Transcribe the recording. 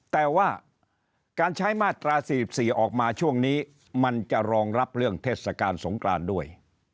แต่ว่าการใช้มาตรา๔๔ออกมาช่วงนี้มันจะรองรับเรื่องเทศกาลสงกรานด้วย